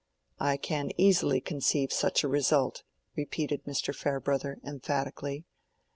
I can easily conceive such a result," repeated Mr. Farebrother, emphatically.